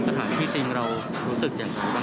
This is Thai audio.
ประถามที่จริงเรารู้สึกอย่างไรบ้างครับ